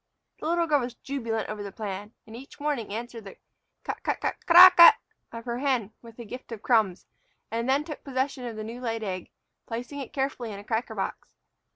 The little girl was jubilant over the plan, and each morning answered the "cut cut c't a a ah cut" of her hen with a gift of crumbs, and then took possession of the new laid egg, placing it carefully in a cracker box.